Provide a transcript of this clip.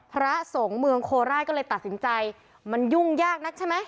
พระสงฆ์เมืองโคราชก็เลยตัดสินใจมันยุ่งยากนักใช่ไหม